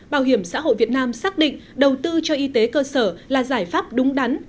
bảo hiểm xã hội việt nam xác định đầu tư cho y tế cơ sở là giải pháp đúng đắn